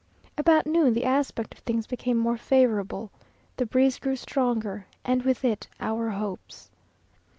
About noon, the aspect of things became more favourable. The breeze grew stronger, and with it our hopes.